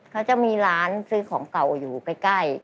เขาจะมีร้านซื้อของเก่าอยู่ใกล้